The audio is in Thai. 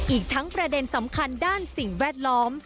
อีกทั้งประเด็นสำคัญด้านสิ่งแวดล้อม